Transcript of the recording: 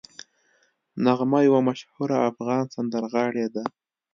نغمه یوه مشهوره افغان سندرغاړې ده